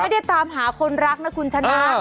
ไม่ได้ตามหาคนรักนะคุณชนะ